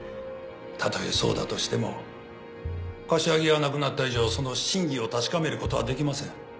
たとえそうだとしても柏木が亡くなった以上その真偽を確かめることはできません。